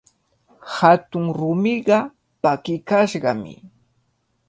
Hatun rumiqa pakikashqami.